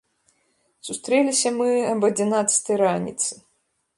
Сустрэліся мы аб адзінаццатай раніцы.